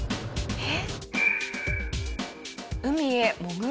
えっ？